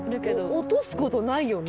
落とす事ないよね？